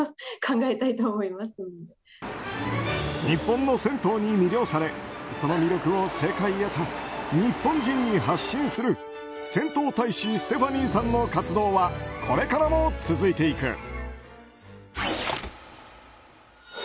日本の銭湯に魅了されその魅力を世界と日本人に発信する銭湯大使ステファニーさんの活動はこれからも続いていく。